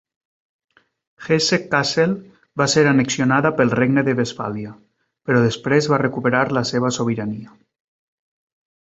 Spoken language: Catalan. Hesse-Kassel va ser annexionada pel Regne de Westfàlia, però després va recuperar la seva sobirania.